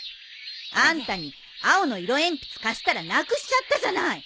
あんたに青の色鉛筆貸したらなくしちゃったじゃない。